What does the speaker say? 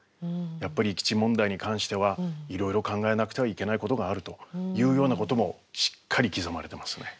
やっぱり基地問題に関してはいろいろ考えなくてはいけないことがあるというようなこともしっかり刻まれてますね。